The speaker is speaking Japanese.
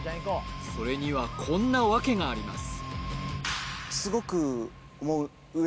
それにはこんなわけがあります